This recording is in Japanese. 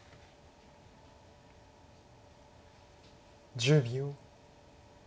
１０秒。